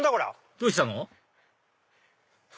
どうしたの？